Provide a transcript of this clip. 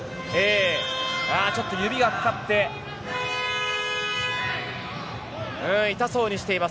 ちょっと指がかかって痛そうにしています